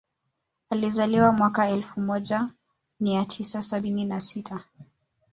Alizaliwa mwaka elfu moja nia tisa sabini na sita